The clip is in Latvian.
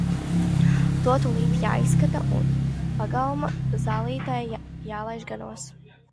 Tos tūlīt jāizskaita un pagalma zālītē jālaiž ganos.